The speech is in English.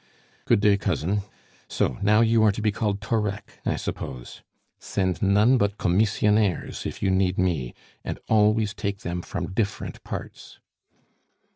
"Good day, cousin; so now you are to be called Thorec, I suppose? Send none but commissionaires if you need me, and always take them from different parts."